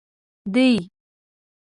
دی.